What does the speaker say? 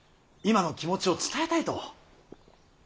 今の気持ちを伝えたいと。